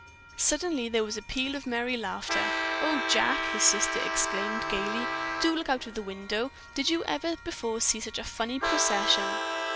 Suddenly there was a peal of merry laughter. "Oh, Jack," his sister exclaimed gayly, "do look out of the window. Did you ever before see such a funny procession?"